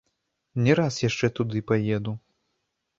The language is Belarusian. Не раз яшчэ туды паеду.